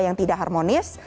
yang tidak harmonis